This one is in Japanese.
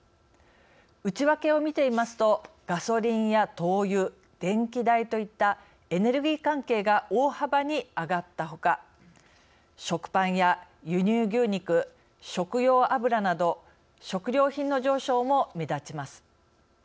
内訳を見てみますとガソリンや灯油、電気代といったエネルギー関係が大幅に上がったほか食パンや輸入牛肉、食用油など食料品の上昇も目立ちます。